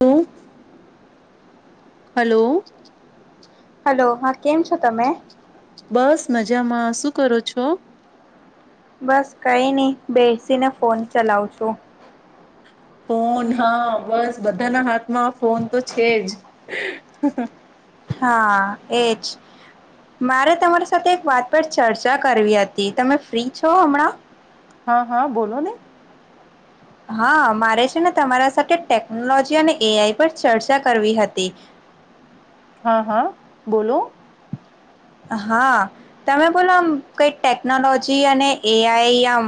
હમ્મ. Hello. Hello, હા કેમ છો તમે? બસ મજામાં. શું કરો છો? બસ કઈ નહી બે સિને ફોન ચલાવ છો. ફોન હા બસ બધાના હાથમાં ફોન તો છે જ. હા એજ મારે તમારી સાથે એક વાત પર ચર્ચા કરવી હતી. તમે ફ્રી છો હમણાં? હા હા બોલો ને. હા મારે છે ને તમારા સાથે ટેકનોલોજી અને એ આઈ પર ચર્ચા કરવી હતી. હા હા બોલો. હા તમે બોલો આમ કઈ ટેકનોલોજી અને એ આઈ આમ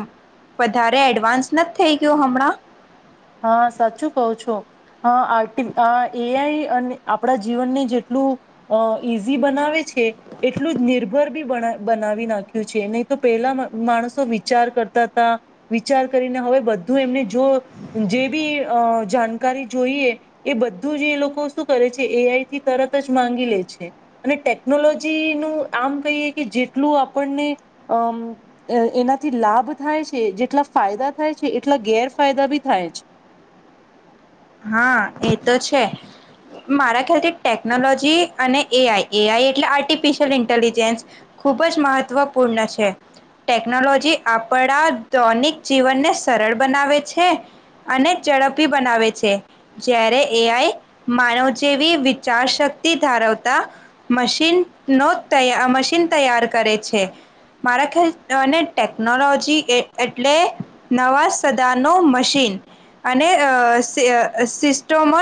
વધારે એડવાન્સ નથી થઈ ગયું હમણાં? હા સાચું કહો છો. હા આટી એ આઈ અને આપણા જીવનને જેટલું અ ઈઝી બનાવે છે એટલું જ નિર્ભર બી બનાવી નાખ્યું છે. નહી તો પેલા માણસો વિચાર કરતા હતા વિચાર કરીને હવે બધું એમને જો જે બી અ જાણકારી જોઈએ એ બધું જ એ લોકો શું કરે છે એ આઈથી તરત જ માંગી લે છે અને ટેકનોલોજીનું આમ કહીએ કે જેટલું આપણને અમ એનાથી લાભ થાય છે જેટલા ફાયદા થાય છે એટલા ગેરફાયદા બી થાય છે. હા એ તો છે મારા ખ્યાલથી ટેકનોલોજી અને એઆઈ એઆઈ એટલે આર્ટિફિશિયલ ઇન્ટેલિજન્સ ખૂબ જ મહત્ત્વપૂર્ણ છે. ટેકનોલોજી આપણા ધોનિક જીવનને સરળ બનાવે છે. અને ઝડપી બનાવે છે. જ્યારે એઆઈ માનવ જેવી વિચાર શક્તિ ધરાવતા મશીન નો મશીન તૈયાર કરે છે મારા ખ્યાલ અને ટેકનોલોજી એટલે નવા સદાનો મશીન અને અ સિસ્ટમો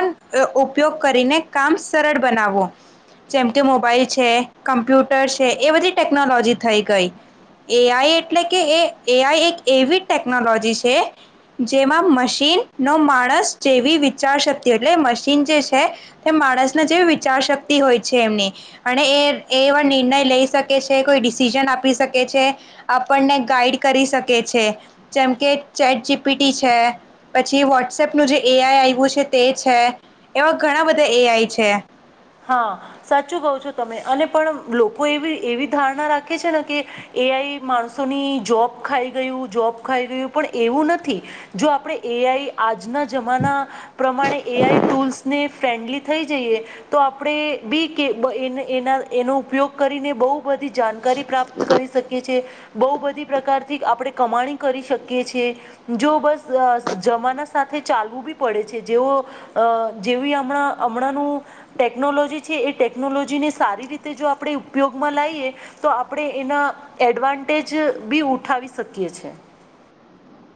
ઉપયોગ કરીને કામ સરળ બનાવવો જેમ કે મોબાઈલ છે કમ્પ્યુટર છે એ બધી ટેકનોલોજી થઈ ગઈ એઆઈ એટલે કે એ એઆઈ એક એવી ટેકનોલોજી છે જેમાં મશીનનો માણસ જે એવી વિચારશક્તિ એટલે મશીન જે છે તે માણસને જેવી વિચારશક્તિ હોય છે એમની અને એ એ એવા નિર્ણય લઈ શકે છે કોઈ ડિસિઝન આપી શકે છે આપણને ગાઈડ કરી શકે છે જેમ કે ચેટ જીપીટી છે પછી વોટ્સએપનું જે એ આઈ આવ્યું છે તે છે એવા ઘણા બધા એ આઈ છે. હા સાચું કવ છો તમે અને પણ લોકો એવી એવી ધારણા રાખે છે ને કે એઆઈ માણસોની જોબ ખાઈ ગયું જોબ ખાઈ ગયું પણ એવું નથી જો આપણેે એઆઈ આજના જમાના પ્રમાણે એઆઈ ટૂલ્સ ને ફ્રેન્ડલી થઈ જઈએ તો આપણે બી કે એ એના એનો ઉપયોગ કરીને બહુ બધી જાણકારી પ્રાપ્ત કરી શકીએ છી બહુ બધી પ્રકારથી આપણે કમાણી કરી શકીએ છીએ જો બસ જમાના સાથે ચાલવું બી પડે છે જેવો જેવી હમણાં હમણાંનું ટેકનોલોજી છે એ ટેકનોલોજીને સારી રીતે જો આપણે ઉપયોગમાં લાઈએ એ તો આપણે એના એડવાન્ટેજ બી ઉઠાવી શકીએ છે.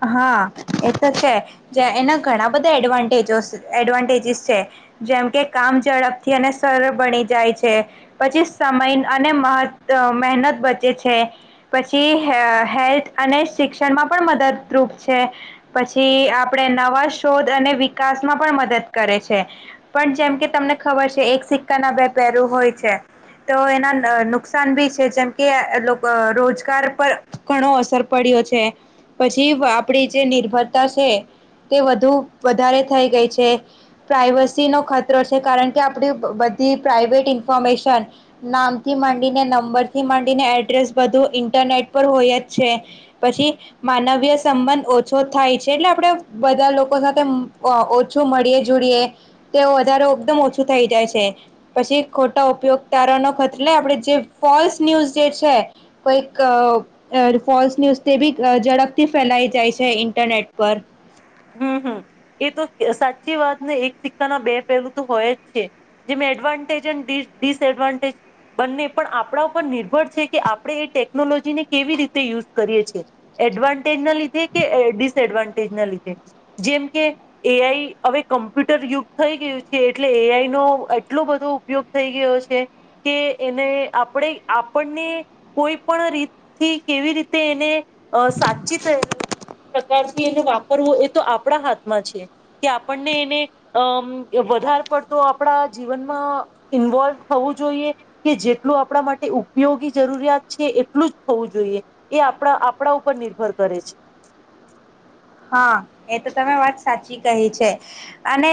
હા એ તો છે જે એના ઘણા બધા એડવાન્ટજો એડવાન્ટેજીસ છે જેમ કે કામ ઝડપથી અને સરળ બની જાય છે. પછી સમય અને મહ મહેનત બચે છે. પછી [unintelligible] હેલ્થ અને શિક્ષણમાં પણ મદદ રૂપ છે પછી આપણે નવા શોધ અને વિકાસમાં પણ મદદ કરે છે. પણ જેમ કે તમને ખબર છે એક સિક્કા ના બે પહેરું હોય છે તો એના નુકસાન ભી છે જેમ કે રોજગાર પર ઘણો અસર પડ્યો છેછ જીવ આપણી જે નિર્ભરતા છે તે વધુ વધારે થઈ ગઈ છે પ્રાઇવસીનો ખતરો છે કારણ કે આપણી બધી પ્રાઇવેટ ઇન્ફોર્મેશન નામથી માંડીને નંબરથી માંડીને એડ્રેસ બધું ઇન્ટરનેટ પર હોય જ છે પછી માનવ સંબંધ ઓછો થાય છે એટલે આપણે બધા લોકો સાથે ઓછું મળીએ જોડીએ તે વધારે એકદમ ઓછું થઈ જાય છે પછી ખોટા ઉપયોગકારનો ખત આપણે જે ફોલ્સ ન્યૂઝ જે છે કોઈક ફોલ્સ ન્યૂઝ તે બી ઝડપ થી ફેલાઈ જાય છે ઇન્ટરનેટ પર. હમ હમ એ તો સાચી વાતને એક સિક્કાના બે પહેલું તો હોય જ છે જેમ એડવાન્ટેજ ડિસએડવાન્ટેજ બંને પણ આપણા ઉપર નિર્ભર છે કે આપણે એ ટેકનોલોજીને કેવી રીતે યુઝ કરીએ છીએ એડવા ટેજ કે ડી સએડવાન્ટેજ ના લી જેમ કે એઆઈ હવે કમ્પ્યુટર યુગ થઈ ગયું છે એટલે એઆઈ નો એટલો બધો ઉપયોગ થઈ ગયો છે કે એને આપણે આપણને કોઈ પણ રીત થી કેવી રીતે એને અ સાતચીથ પ્રકાર એનું વા કરવું એ તો આપણા હાથમાં છે કે આપણને એને અમ વધારે પડતો આપણા જીવનમાં ઇન્વોલ્વ થવું જોઈએ કે જેટલું આપણા માટે ઉપયોગી જરૂરિયાત છે એટલું જ થવું જોઈએ એ આપણા આપણા ઉપર નિર્ભર કરે છે. હા એ તો તમે વાત સાચી કહી છે અને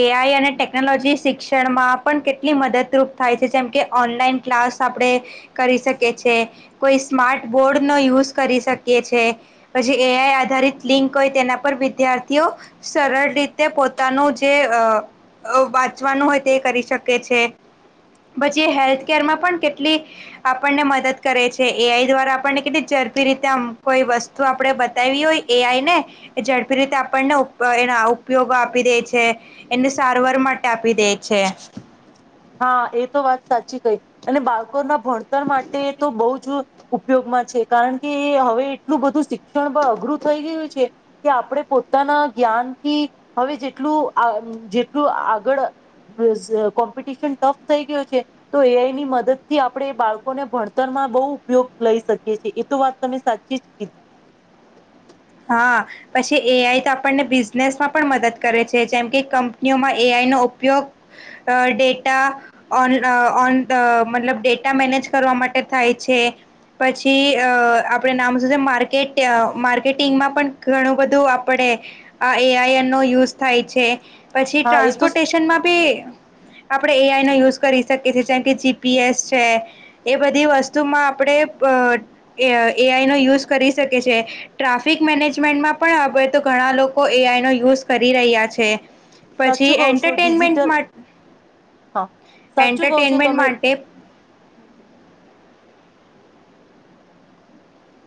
એઆઈ અને ટેકનોલોજી શિક્ષણમાં પણ કેટલી મદદરૂપ થાય છે જેમકે ઓનલાઈન ક્લાસ આપણે કરી શકી છે કોઈ સ્માર્ટ બોર્ડનો યુઝ કરી શકીએ છે પછી એઆઈ આધારિત લિંક હોય તેના પર વિદ્યાર્થીઓ સરળ રીતે પોતાનું જે અ વાંચવાનું હોય તે કરી શકે છે. પછી એ હેલ્થકેરમાં પણ કેટલી આપણને મદદ કરે છે. એઆઈ દ્વારા આપણને કેટલી ઝડપી રીતે આમ કોઈ વસ્તુ આપણે બતાયાવી હોય એ આઈ ને ઝડપી રીતે આપણને એ ઉપયોગ આપી દે છે એને સારવાર માટે આપી દે છે. હા એ તો વાત સાચી કઈ અને બાળકોના ભણતર માટે તો બહુ જ ઉપયોગમાં છે. કારણ કે હવે એટલું બધું શિક્ષણ અઘરું થઈ ગયું છે. કે આપણે પોતાના જ્ઞાનથી હવે જેટલું જેટલું આગળ કોમ્પ ટફ થઈ ગયો છે. તો એઆઈ ની મદદ થી આપણે બાળકોને ભણતરમાં બહુ ઉપયોગ લઈ શકીએ છીએ એ તો વાત તમે સાચી જ કીધી હા પછી એઆઈ તો આપણને બિઝનેસમાં પણ મદદ કરે છે. જેમ કે કંપનીઓમાં એઆઈનો ઉપયોગ ડેટા ઓન ઓન મતલબ ડેટા મેનેજ કરવા માટે થાય છે પછી અ આપણે નામ શ માર્કેટ માર્કે ટિંગમાં પણ ઘણું બધું આપણેે આ એઆઈ નો યુઝ થાય છે. પછી હા એ તો ટ્રાન્સપોર્ટેશનમાં બી આપડે એઆઈ નો યુઝ કરી શકી છએ જેમ કે જીપીએસ છે એ બધી વસ્તુમાં આપણે એઆઈ નો યુઝ કરી શકીએ છે. ટ્રાફિક મેનેજમેન્ટમાં પણ હવે તો ઘણા લોકો એ આઈનો યુઝ કરી રહ્યા છે. પછી સાચું કહો છો એન્ટરટેનમેન્ટ ડિજિટલ માં હા સાચું કહો છો એન્ટરટેનમેન્ટ તમે માટે હમ હમ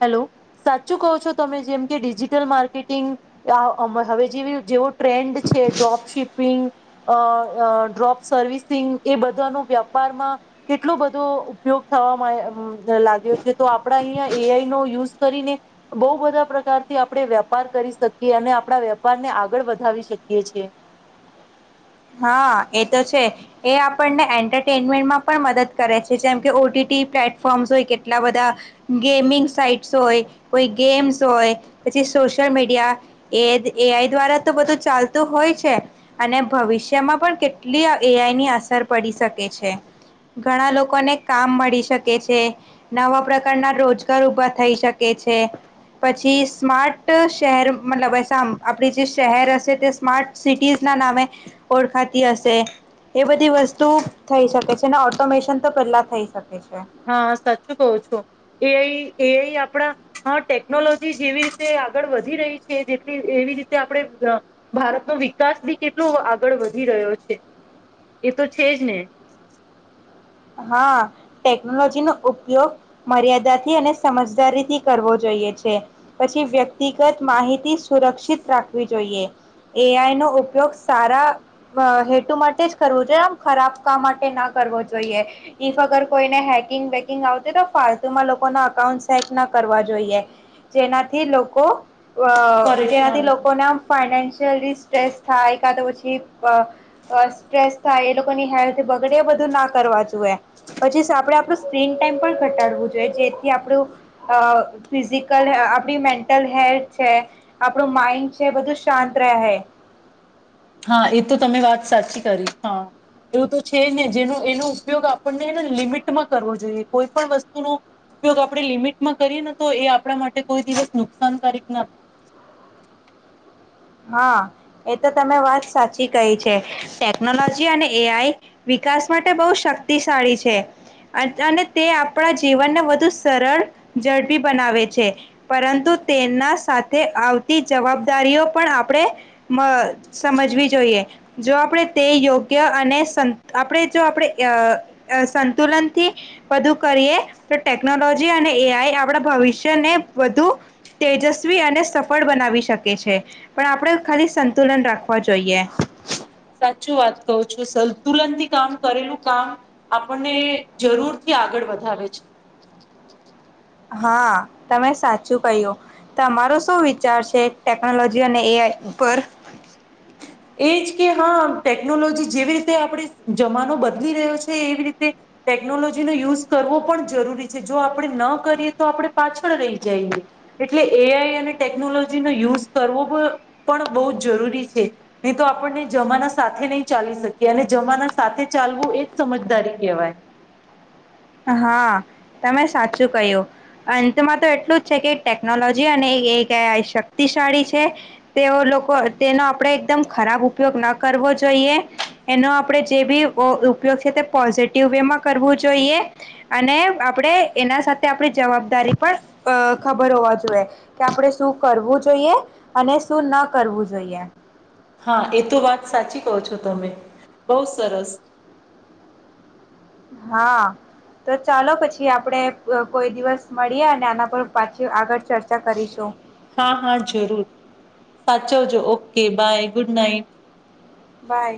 હેલો સાચું કહો છો તમે જેમ કે ડિજિટલ માર્કેટિંગ હવે જેવી જેવો ટ્રેન્ડ છે ડ્રોપ શિપિંગ અ ડ્રોપ સર્વિસિંગ એ બધાનો વ્યાપારમાં કેટલો બધો ઉપયોગ થવા માં લાગ્યો છે તો આપડા અહીંયા એઆઈ નો યુઝ કરીને બહુ બધા પ્રકારથી આપણે વેપાર કરી શકીએ અને આપણા વેપાર ને આગળ વધાવી શકીએ છે. હા એ તો છે એ આપણને એન્ટરટેનમેન્ટમાં પણ મદદ કરે છે જેમ કે ઓટીટી પ્લેટફોર્મ્સ હોય કેટલા બધા ગેમિંગ સાઈટસ હોય કોઈ ગેમ્સ હોય પછી સોશયલ મીડિયા એ એઆઈ દ્વારા તો બધું ચાલતું હોય છે અને ભવિષ્ય મા પણ કેટલી એઆઈની અસર પડી શકે છે. ઘણા લોકોને કામ મળી શકે છે. નવા પ્રકારના રોજગાર ઊભા થઈ શકે છે. પછી સ્માર્ટ શહેર મતલબ સા આપણી જે શહેર હશે તે સ્માર્ટ સિટીઝના નામે ઓળખાતી હશે એ બધી વસ્તુ થઈ શકે છે. ઓટોમેશન તો પહેલા થઈ શકે છે. હા સાચું કવ છો એ આઈ એ આપણા હ ટેકનોલોજી જેવી રીતે આગળ વધી રહી છે જે એવી રીતે આપણે ભારતનો વિકાસ બી કેટલો આગળ વધી રહ્યો છે એ તો છેજ ને હા ટેકનોલોજી નો ઉપયોગ મર્યાદાથી અને સમજદારીથી કરવો જોઈએ છે. પછી વ્યક્તિગત માહિતી સુરક્ષિત રાખવી જોઈએ. એઆઈ નો ઉપયોગ સારા હેતુ માટે જ કરવો જોઈએ. આમ ખરાબ કામ માટે ના કરવો જોઈએ. જોઈએ ઇફ અગર કોઈને હેકિંગ બેકિંગ આવતી તો ફાલતુમાં લોકોના અકાઉન્ટસ હેક ન કરવા જોઈએ જેનાથી લોકો અ પરેશાન જેનાથી થાય. લોકો ના ફાઈને ન્સિયલી સ્ટ્રેસ થાય કા પછી સ્ટ્રેસ થાય, એ લોકોની હેલ્થ બગડે એ બધું નાખ કરવા જ [unintelligible] પછી સા [unintelligible] આપળું સ્ક્રીન ટાઈમ પણ ઘટાડવું જોઈએ જેથી આપણું અ ફિઝિકલ આપણી મેન્ટલ હેલ્થ છે, આપણું માઈન્ડ છે બધું શાંત રહે. હા એ તો તમે વાત સાચી કરી હા એવું તો છે ને જેનો એનો ઉપયોગ આપણનેને લિમિટમાં કરવો જોઈએ કોઈ પણ વસ્તુનો ઉપયોગ આપણે લિમિટમાં કરીએ ને તો એ આપણા માટે કોઈ દિવસ નુકસાનકારક ના હા એ તો તમે વાત સાચી કહી છે, ટેકનોલોજી અને એ આઈ વિકાસ માટે બહુ શક્તિશાળી છે અને તે આપણા જીવનને વધુ સરળ, ઝડપી બનાવે છે, પરંતુ તેના સાથે આવતી જવાબદારીઓ પણ આપણે મ સમજવી જોઈએ, જો આપણે તે યોગ્ય અને સ આપણે જો આપણે અ અ સંતુલનથી વધુ કરીએ તો ટેકનોલોજી અને એ આઈ આપણા ભવિષ્યને વધુ તેજસ્વી અને સફળ બનાવી શકે છે. પણ આપણે ખાલી સંતુલન રાખવા જોઈએ. તુલંત થી કામ કરેલું કામ આપણને જરૂરથી આગળ વધાવે છે. હા તમે સાચું કહ્યું, તમારો શું વિચાર છે ટેકનોલોજી અને એ આઈ ઉપર? એજ કે હા ટેકનોલોજી જેવી રીતે આપણે જમાનો બદલી રહ્યો છે એવી રીતે ટેકનોલોજીનો યુઝ કરવો પણ જરૂરી છે, જો આપણે ન કરીએ તો આપણે પાછળ રહી જઈએ એટલે એ આઈ અને ટેકનોલોજીનો યુઝ કરવોપ પણ બહુ જરૂરી છે. નહી તો આપણને જમાના સાથે નહી ચાલી શકીએ અને જમાના સાથે ચાલવું એ જ સમજદારી કહેવાય. હા. તમે સાચું કહ્યું, અંતમાં તો એટલું જ છે કે ટેકનોલોજી અને એ આઈ [unintelligible] શક્તિશાળી છે તેઓ લોકો તેનો આપણે એકદમ ખરાબ ઉપયોગ ન કરવો જોઈએ, એનો આપણે જે બી ઉપયોગ છે તે પોઝિટિવ વેમાં કરવું જોઈએ. અને આપણેે એના સાથે આપણી જવાબદારી પણ અ ખબર હોવા જોઈએ કે આપણેે શું કરવું જોઈએ, અને શું ન કરવું જોઈએ. હા એ તો વાત સાચી કહો છો તમે, બહુ સરસ. હા તો ચાલો પછી આપણેે કોઈ અ દિવસ મળીએ અને આના પર પાછી આગળ ચર્ચા કરીશું. હા okay, bye, good night. By